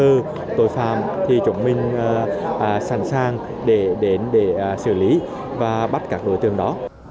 nghĩ ngư tội phạm thì chúng mình sẵn sàng để xử lý và bắt các đối tượng đó